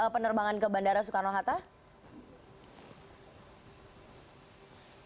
penerbangan ke bandara soekarno hatta